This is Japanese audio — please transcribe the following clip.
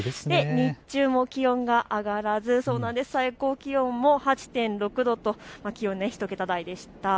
日中も気温が上がらず最高気温も８．６度と気温が１桁台でした。